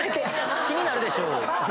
気になるでしょ